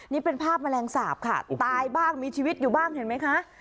นี่เป็นภาพแมลงสาปค่ะตายบ้างมีชีวิตอยู่บ้างเห็นไหมคะ